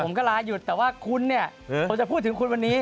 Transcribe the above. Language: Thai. ผมก็ลาหยุดแต่ว่าคุณเนี่ยผมจะพูดถึงคุณวันนี้